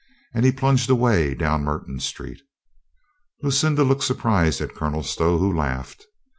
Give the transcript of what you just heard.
And he plunged away down Mer ton Street. Lucinda looked surprised at Colonel Stow, who laughed.